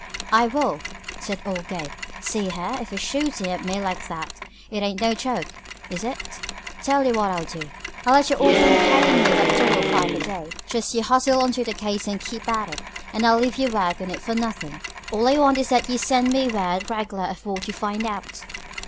"I will!" said old Gabe. "See here, if he's shootin' at me like that, it ain't no joke, is it? Tell you what I'll do. I'll let you off from payin' me that dollar five a day. Just you hustle onto this case and keep at it, and I'll leave you work on it for nothin'. All I want is that you should send me word reg'lar of what you find out."